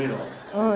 うん。